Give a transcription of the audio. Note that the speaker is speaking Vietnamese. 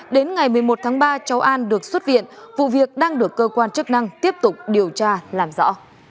đến ngày một mươi một tháng ba cháu an được xuất viện vụ việc đang được cơ quan chức năng tiếp tục điều tra làm rõ